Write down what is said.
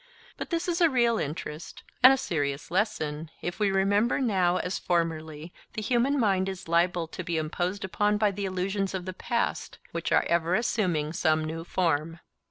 But this is a real interest and a serious lesson, if we remember that now as formerly the human mind is liable to be imposed upon by the illusions of the past, which are ever assuming some new form.